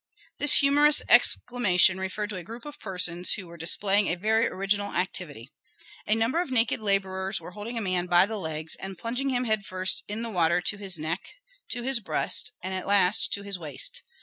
This humorous exclamation referred to a group of persons who were displaying a very original activity. A number of naked laborers were holding a man by the legs and plunging him head first in the water to his neck, to his breast, and at last to his waist.